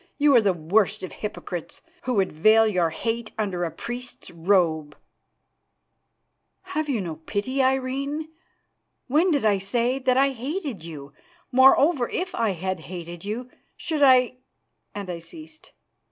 You are the worst of hypocrites, who would veil your hate under a priest's robe." "Have you no pity, Irene? When did I say that I hated you? Moreover, if I had hated you, should I " and I ceased.